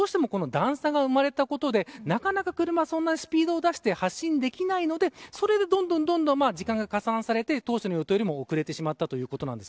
どうしても段差が生まれたことで車がスピードを出して発進できないのでそれでどんどん時間が加算されて当初の予定よりも遅れてしまったということなんです。